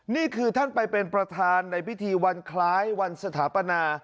นี่คือท่านไปเป็นประธานในพิธีวันคล้ายวันสถาปนา